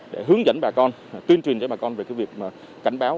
để hướng dẫn bà con tuyên truyền cho bà con về việc cảnh báo